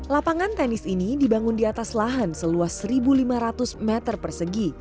lapangan tenis ini dibangun di atas lahan seluas satu lima ratus meter persegi